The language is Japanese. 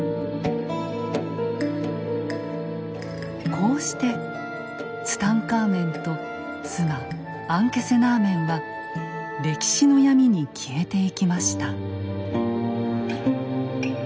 こうしてツタンカーメンと妻・アンケセナーメンは歴史の闇に消えていきました。